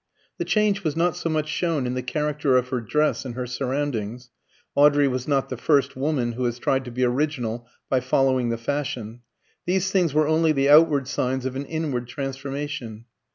The change was not so much shown in the character of her dress and her surroundings (Audrey was not the first woman who has tried to be original by following the fashion); these things were only the outward signs of an inward transformation.